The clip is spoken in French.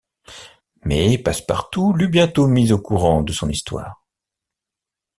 Mais Passepartout l’eut bientôt mis au courant de son histoire.